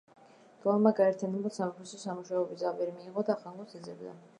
დვალმა გაერთიანებულ სამეფოში სამუშაო ვიზა ვერ მიიღო და ახალ გუნდს ეძებდა.